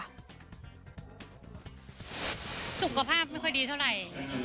สุขภาพไม่ค่อยดีเท่าไหร่